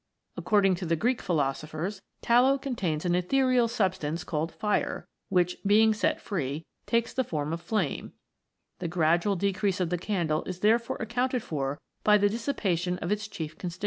According to the Greek philo sophers, tallow contains an ethereal substance called Fire, which being set free, takes the form of flame ; the gradual decrease of the candle is therefore ac counted for by the dissipation of its chief constituent.